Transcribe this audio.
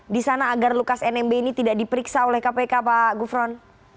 di sana agar lukas nmb ini tidak diperiksa oleh kpk pak gufron